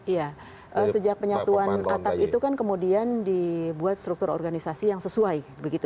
iya sejak penyatuan atap itu kan kemudian dibuat struktur organisasi yang sesuai begitu